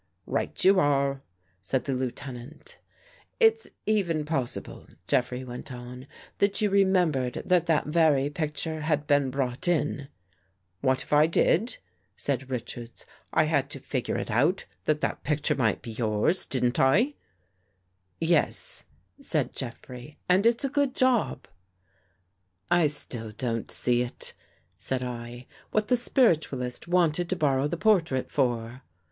" Right you are," said the Lieutenant. " It's even possible," Jeffrey went on, " that you remembered that that very picture had been brought in?" "What if I did?" said Richards. "I had to figure it out that that picture might be yours, didn't I? "" Yes," said Jeffrey. " And it's a good job." " I still don't see," said I, " what the spiritualist wanted to borrow the portrait for."